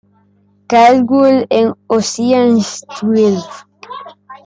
Caldwell en "Ocean's Twelve".